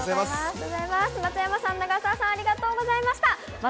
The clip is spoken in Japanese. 松山さん、長澤さん、ありがとうございました。